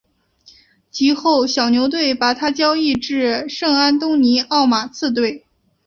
及后小牛队把他交易至圣安东尼奥马刺队。